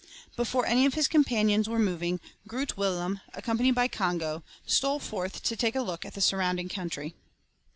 Before any of his companions were moving, Groot Willem, accompanied by Congo, stole forth to take a look at the surrounding country.